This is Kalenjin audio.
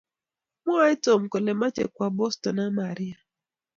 Mwae tom kole machei kwa Boston ak Maria